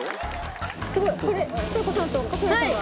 すごいこれちさ子さんと克典さんが。